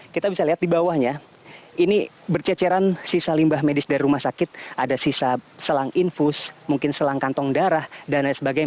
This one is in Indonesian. kita bisa lihat di bawahnya ini berceceran sisa limbah medis dari rumah sakit ada sisa selang infus mungkin selang kantong darah dan lain sebagainya